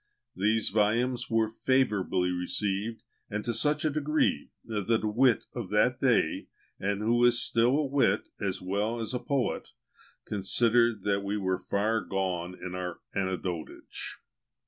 These volumes were favourably received, and to such a degree, that a wit of that day, and who is still a wit as well as a poet, considered that we were far gone in our "Anecdotage."